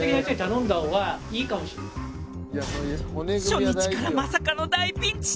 初日からまさかの大ピンチ。